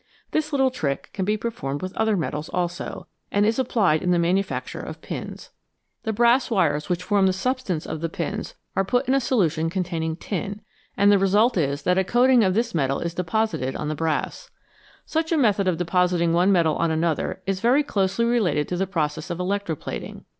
This little trick can be performed with other metals also, and is applied in the manufacture of pins. The brass wires which form the substance of the 73 TWO METALS BETTER THAN ONE pins are put in a solution containing tin, and the result is that a coating of this metal is deposited on the brass. Such a method of depositing one metal on another is very closely related to the process of electro plating.